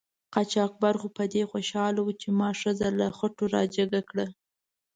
قاچاقبر خو په دې خوشحاله و چې ما ښځه له خټو را جګه کړه.